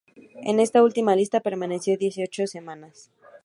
En esta última lista permaneció dieciocho semanas.